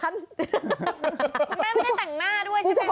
มันไม่ได้ต่างหน้าด้วยใช่ไหมคะ